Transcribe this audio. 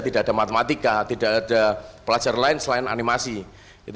tidak ada matematika tidak ada pelajar lain selain animasi